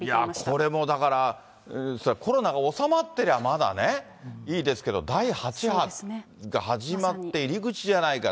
これもだから、コロナが収まってりゃね、まだいいですけど、第８波が始まって入り口じゃないか。